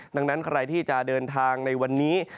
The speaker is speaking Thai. ดังนั้นใครที่จะเดินทางในวันนี้